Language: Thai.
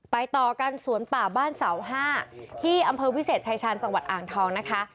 ต่อกันสวนป่าบ้านเสาห้าที่อำเภอวิเศษชายชาญจังหวัดอ่างทองนะคะ